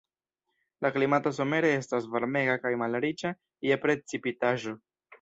La klimato somere estas varmega kaj malriĉa je precipitaĵo.